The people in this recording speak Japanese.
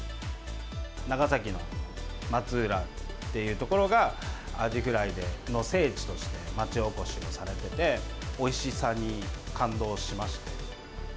長崎の松浦っていう所が、アジフライの聖地として町おこしをされてて、おいしさに感動しまして。